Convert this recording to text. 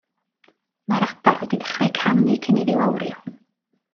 Mae'r adar wedi dechrau canu cyn iddi wawrio.